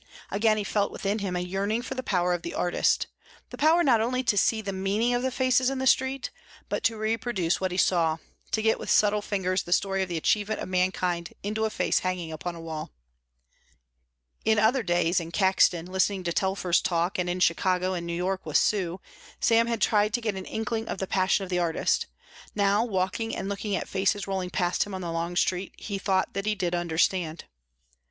Again he felt within him a yearning for the power of the artist, the power not only to see the meaning of the faces in the street, but to reproduce what he saw, to get with subtle fingers the story of the achievement of mankind into a face hanging upon a wall. In other days, in Caxton, listening to Telfer's talk, and in Chicago and New York with Sue, Sam had tried to get an inkling of the passion of the artist; now walking and looking at the faces rolling past him on the long street he thought that he did understand.